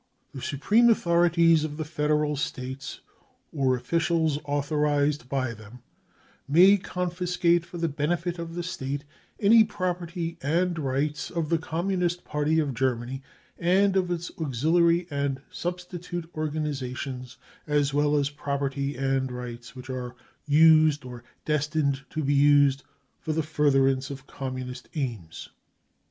The Supreme Authorities of the Federal States or officials authorised by them may confiscate for the bene fit of the State any property and rights of the Communist Party of Germany and of its auxiliary and substitute organisations as well as property and rights which are used or destined to be used for the furtherance of Communist aims.